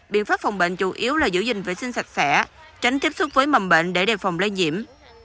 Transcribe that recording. biện pháp phòng bệnh chủ yếu là giữ gìn vệ sinh sạch sẽ tránh tiếp xúc với mầm bệnh để đề phòng lây nhiễm